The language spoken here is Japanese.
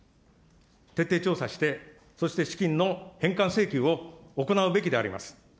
徹底調査して、そして、資金の返還請求を行うべきであります。